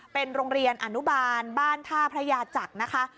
เป็นโรงเรียนอนุบาลบ้านท่าพระยาจักรนะคะ